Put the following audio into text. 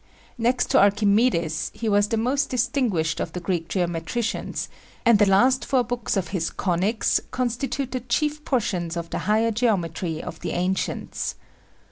Next to Archimedes, he was the most distinguished of the Greek geometricians; and the last four books of his conics constitute the chief portions of the higher geometry of the ancients.